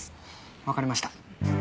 わかりました。